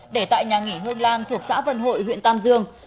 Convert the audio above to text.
để tại nhà nghỉ hương lan thuộc xã vân hội huyện tam dương